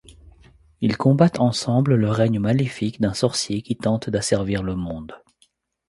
Ils combattent ensemble le régne maléfique d'un sorcier qui tente d'asservir le monde.